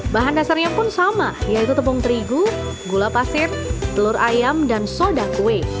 bahan dasarnya pun sama yaitu tepung terigu gula pasir telur ayam dan soda kue